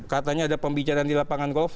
katanya ada pembicaraan di lapangan golf